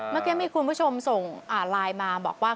เมื่อกี้มีคุณผู้ชมส่งไลน์มาบอกว่า